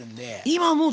今。